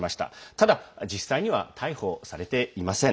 ただ、実際には逮捕されていません。